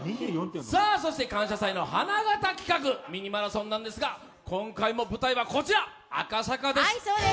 そして「感謝祭」の花形企画ミニマラソンなんですが今回も舞台はこちら、赤坂です。